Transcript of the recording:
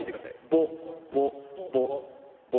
ボボボボ。